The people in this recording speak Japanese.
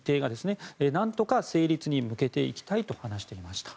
何とか成立に向けていきたいと話していました。